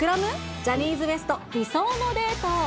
ジャニーズＷＥＳＴ、理想のデート。